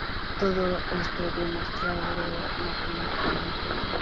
Todo esto demostrable matemáticamente.